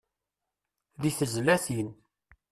Deg tezlatin.